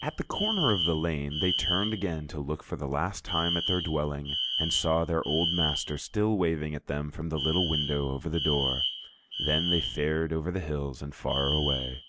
At the corner of the lane they turned again to look for the last time at their dwelling, and saw their old master still waving at them from the little window over the door. Then they fared over the hills and far away.